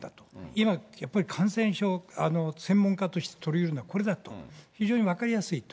今やっぱり感染症、専門家として取り入れるのはこれだと、非常に分かりやすいと。